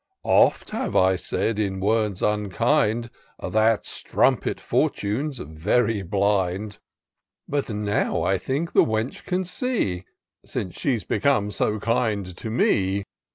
Oft have I said in words unkind. That strumpet Fortune's very blind ! But now I think the wench can see. Since she's become so kind to me.